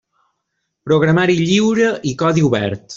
Programari lliure i codi obert.